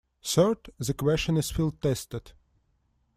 Third, the question is field tested.